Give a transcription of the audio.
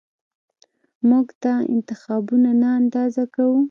موږ دا انتخابونه نه اندازه کوو